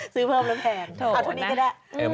ซื้อเพิ่มแล้วแทง